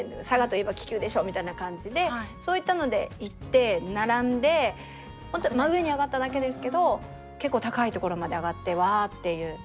佐賀といえば気球でしょみたいな感じでそういったので行って並んで本当真上に上がっただけですけど結構高いところまで上がってワっていう。